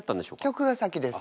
曲が先です。